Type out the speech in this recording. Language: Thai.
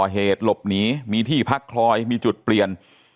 อยู่ลงมาแล้ว